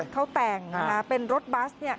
เขาแต่งเป็นรถบัส